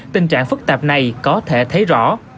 tình trạng phức tạp này có thể thấy rõ